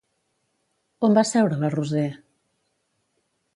On va seure la Roser?